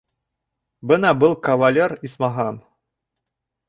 Бына был кавалер, исмаһам!